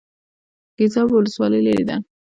ګیزاب ولسوالۍ لیرې ده؟